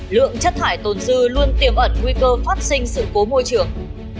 lượng chất thải tồn dư luôn tiềm ẩn nguy cơ phát sinh sự cố môi trường